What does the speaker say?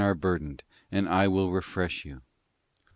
| 29 are burdened, and I will refresh you.